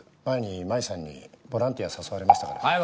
前に真衣さんにボランティア誘われましたから。